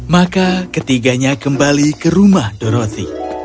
maka ketiganya kembali ke rumah dorozi